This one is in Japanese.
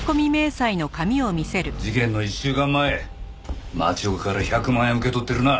事件の１週間前町岡から１００万円を受け取ってるな？